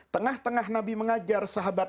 tengah tengah nabi mengajar sahabat